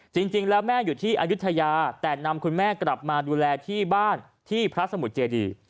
จริงแล้วแม่อยู่ที่อายุทยาแต่นำคุณแม่กลับมาดูแลที่บ้านที่พระสมุทรเจดี